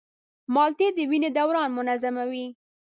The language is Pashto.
مالټې د وینې دوران منظموي.